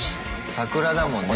桜だもんね